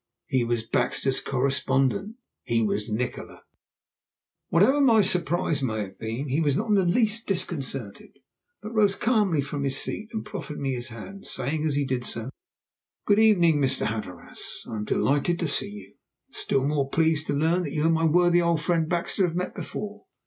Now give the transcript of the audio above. He was Baxter's correspondent! He was Nikola! Whatever my surprise may have been, he was not in the least disconcerted, but rose calmly from his seat and proffered me his hand, saying as he did so: "Good evening, Mr. Hatteras. I am delighted to see you, and still more pleased to learn that you and my worthy old friend, Baxter, have met before.